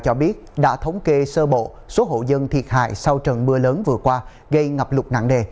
cho biết đã thống kê sơ bộ số hộ dân thiệt hại sau trận mưa lớn vừa qua gây ngập lụt nặng đề